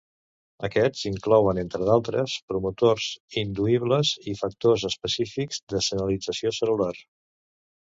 Aquests inclouen entre d'altres, promotors induïbles i factors específics de senyalització cel·lular.